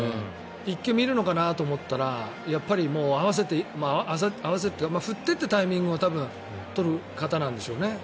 １球見るのかなと思ったらやっぱりもう、合わせて振ってってタイミングを取る方なんでしょうね。